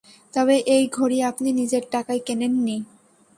তবে এই ঘড়ি আপনি নিজের টাকায় কেনেন নি।